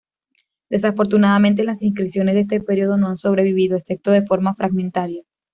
Desafortunadamente, las inscripciones de este período no han sobrevivido, excepto de forma fragmentaria.